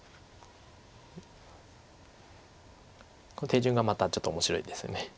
手順がまたちょっと面白いです。